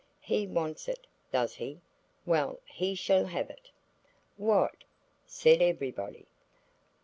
He wants it, does he? Well, he shall have it!" "What?" said everybody.